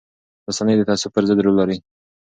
رسنۍ د تعصب پر ضد رول لري